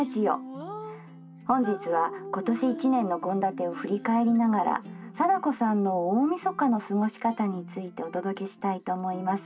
本日は今年一年の献立を振り返りながら貞子さんの大みそかの過ごし方についてお届けしたいと思います。